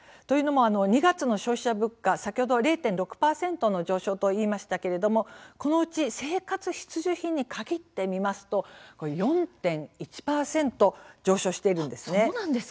というのも２月の消費者物価先ほど０．６％の上昇と言いましたけれども、このうち生活必需品に限って見ますと４．１％上昇しているんですね。